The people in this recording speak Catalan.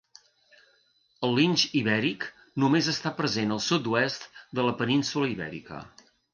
El linx ibèric només està present al sud-oest de la península Ibèrica.